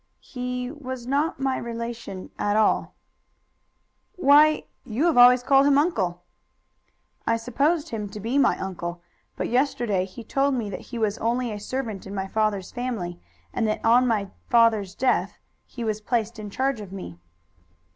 "He was not my relation at all." "Why, you have always called him uncle." "I supposed him to be my uncle, but yesterday he told me that he was only a servant in my father's family, and that on my father's death he was placed in charge of me."